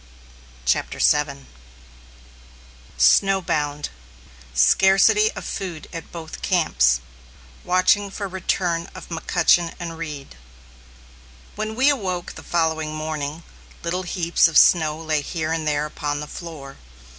] CHAPTER VII SNOWBOUND SCARCITY OF FOOD AT BOTH CAMPS WATCHING FOR RETURN OF M'CUTCHEN AND REED. When we awoke the following morning, little heaps of snow lay here and there upon the floor.